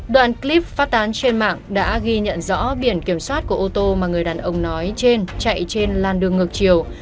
đoạn clip phát tán trên mạng đã ghi nhận rõ biển kiểm soát của ô tô mà người đàn ông nói trên chạy trên làn đường ngược chiều